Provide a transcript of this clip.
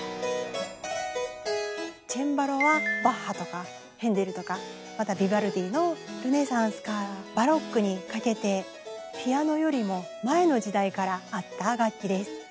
チェンバロはバッハとかヘンデルとかまたヴィヴァルディのルネサンスからバロックにかけてピアノよりも前の時代からあった楽器です。